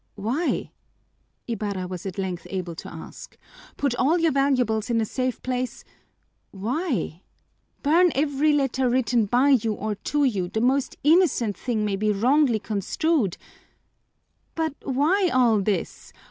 "Why?" Ibarra was at length able to ask. "Put all your valuables in a safe place " "Why?" "Burn every letter written by you or to you the most innocent thing may be wrongly construed " "But why all this?"